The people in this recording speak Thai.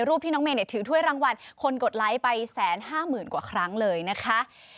รูปที่น้องเมย์ถือถ้วยรางวัลคนกดไลค์ไปแสนห้าหมื่นกว่าครั้งเลยนะคะ